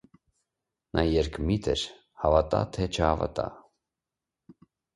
նա երկմիտ էր՝ հավատա՞, թե չհավատա: